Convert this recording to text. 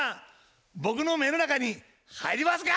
僕の目の中に入りますか？